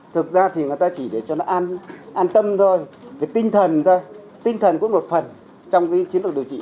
thực ra thì người ta chỉ để cho nó an tâm thôi tinh thần thôi tinh thần cũng một phần trong chiến đấu điều trị